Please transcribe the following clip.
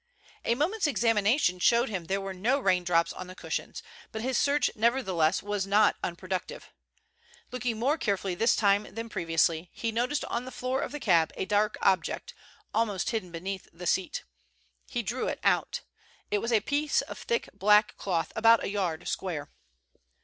A moment's examination showed him there were no raindrops on the cushions, but his search nevertheless was not unproductive. Looking more carefully this time than previously, he noticed on the floor of the cab a dark object almost hidden beneath the seat. He drew it out. It was a piece of thick black cloth about a yard square.